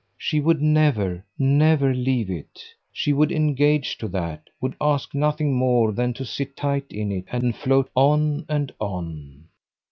She would never, never leave it she would engage to that; would ask nothing more than to sit tight in it and float on and on.